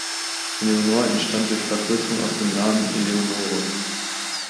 Leonor entstand durch Verkürzung aus dem Namen Eleonore.